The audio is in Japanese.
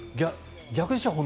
逆でしょ？